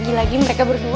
lagi lagi mereka berdua lagi